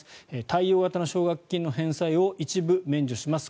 貸与型の奨学金の返済を一部免除します。